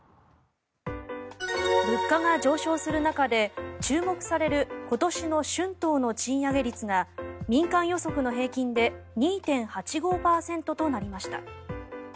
物価が上昇する中で注目される今年の春闘の賃上げ率が民間予測の平均で２．８５％となりました。